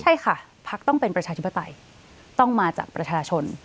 ใช่ค่ะพักต้องเป็นประชาธิปไตยต้องมาจากประชาชน